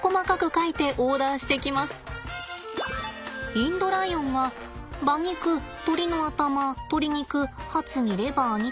インドライオンは馬肉鶏の頭とり肉ハツにレバーにと。